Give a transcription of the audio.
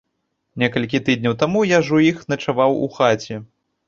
Некалькі тыдняў таму я ж у іх начаваў у хаце.